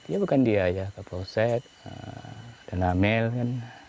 ya bukan dia ya kapal oset dan amel kan